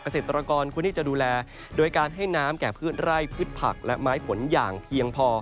เกษตรกรควรที่จะดูแลโดยการให้น้ำแก่พืชไร่พืชผักและไม้ผลอย่างเพียงพอ